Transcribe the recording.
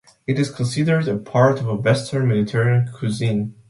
It is considered a part of western Mediterranean cuisine.